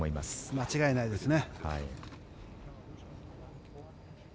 間違いないですね。